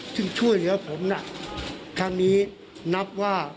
ซึ่งช่วยเหลือผมน่ะครั้งนี้นับว่า